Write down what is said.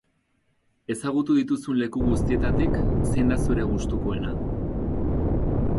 Ezagutu dituzun leku guztietatik zein da zure gustukoena?